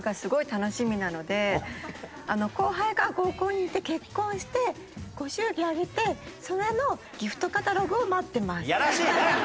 後輩が合コンに行って結婚してご祝儀あげてそれのギフトカタログを待ってます。